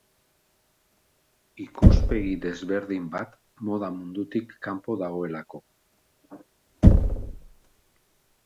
Ikuspegi desberdin bat, moda mundutik kanpo dagoelako.